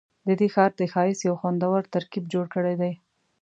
ددې ښار د ښایست یو خوندور ترکیب جوړ کړی دی.